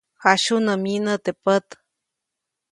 Jasyunä myinä teʼ pät.